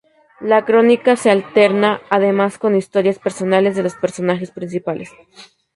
La crónica negra se alterna, además, con historias personales de los personajes principales.